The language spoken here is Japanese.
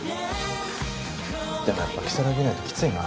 でもやっぱ如月いないときついな。